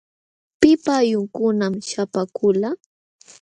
¿Pipa aylllunkunam śhapaakulqa?